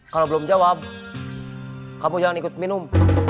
kalau belum jawab kamu jangan ikut minum